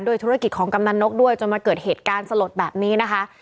ธุรกิจของกำนันนกด้วยจนมาเกิดเหตุการณ์สลดแบบนี้นะคะ